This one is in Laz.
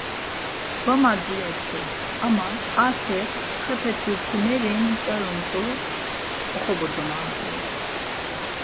Va madziret̆u ama Artek, xepe tirtineri nç̌arumt̆u oxobotzonamt̆i.